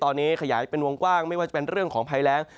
ตอนนี้ขยายเป็นวงกว้างไม่ว่าจะเป็นเรื่องของภัยแรง